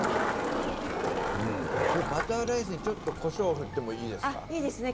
バターライスちょっとこしょうを振ってもいいですね。